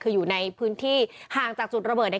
คืออยู่ในพื้นที่ห่างจากจุดระเบิดเนี่ย